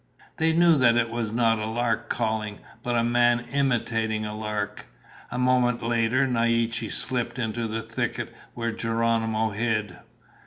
They knew that it was not a lark calling, but a man imitating a lark. A moment later Naiche slipped into the thicket where Geronimo hid.